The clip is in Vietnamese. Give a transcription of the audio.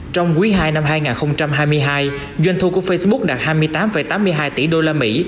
trong quý ii năm hai nghìn hai mươi hai doanh thu của facebook đạt hai mươi tám tám mươi hai tỷ usd